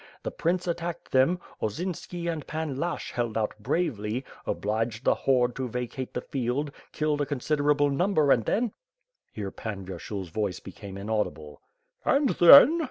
The prince attacked them; Osinski and Pan Lashch held out bravely; obliged the horde to vacate the field; killed a considerable number and then —'^ Here Pan Vyersul's voice became inaudible. "And then?"